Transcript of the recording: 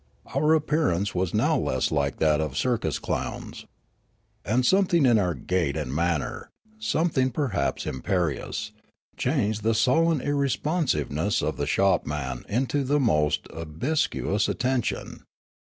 Our appearance was now less like that of circus clowns. And something in our gait and manner, something perhaps imperious, changed the sullen irresponsiveness of the shopman into the most obsequious attention.